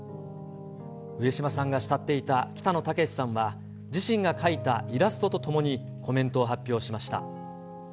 上島さんが慕っていた北野武さんは、自身が描いたイラストとともに、コメントを発表しました。